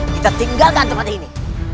kita tinggalkan tempat ini